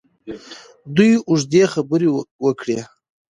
دوی اوږدې خبرې وکړې.